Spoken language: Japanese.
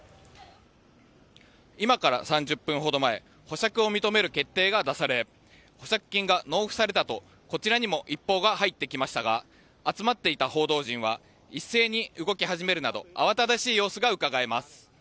今から３０分ほど前保釈を認める決定が出され保釈金が納付されたとこちらにも一報が入ってきましたが集まっていた報道陣は一斉に動き始めるなど慌ただしい様子がうかがえます。